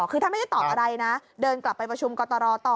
คือถ้าไม่ได้ตอบอะไรนะเดินกลับไปประชุมกตรต่อ